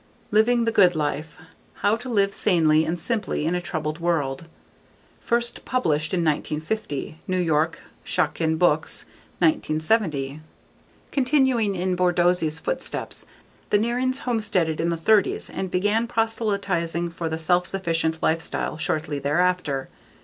Living the Good Life: How to Live Sanely and Simply in a Troubled World. First published in 1950. New York: Schocken Books, 1970. Continuing in Borsodi's footsteps, the Nearings homesteaded in the thirties and began proselytizing for the self sufficient life style shortly thereafter.